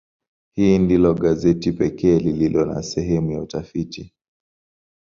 Hili ndilo gazeti pekee lililo na sehemu ya utafiti.